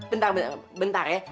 bentar bentar ya